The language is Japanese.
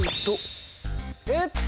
えっと